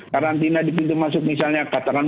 karantina di pintu masuk misalnya katakan